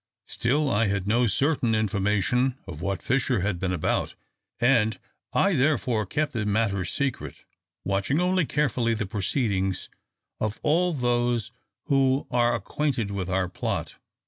Still I had no certain information of what Fisher had been about, and I therefore kept the matter secret; watching only carefully the proceedings of all those who are acquainted with our plot.